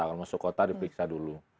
kalau masuk kota diperiksa dulu